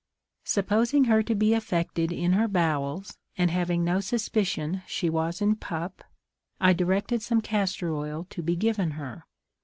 Supposing her to be affected in her bowels, and having no suspicion she was in pup, I directed some castor oil to be given her.